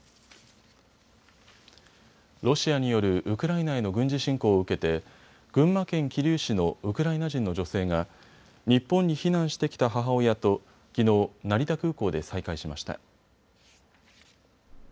ロシアによるウクライナへの軍事侵攻を受けて群馬県桐生市のウクライナ人の女性が日本に避難してきた母親ときのう成田空港で再会しました。